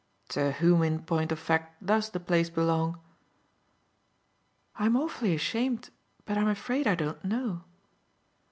"To whom in point of fact does the place belong?" "I'm awfully ashamed, but I'm afraid I don't know.